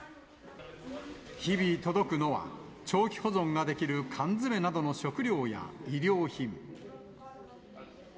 日々届くのは、長期保存ができる缶詰などの食料や衣料品。